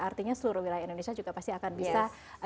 artinya seluruh wilayah indonesia juga pasti akan bisa